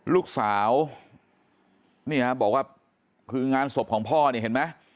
ลูกสาวเนี่ยบอกว่าคืองานศพของพ่อเนี่ยเห็นไหม